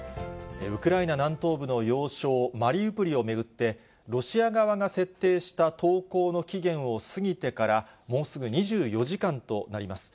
ウクライナ南東部の要衝マリウポリを巡って、ロシア側が設定した投降の期限を過ぎてから、もうすぐ２４時間となります。